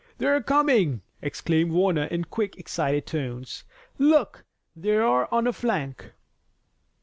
"They're coming!" exclaimed Warner in quick, excited tones. "Look, there on the flank!"